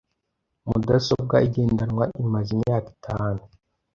Mudasobwa igendanwa imaze imyaka itanu.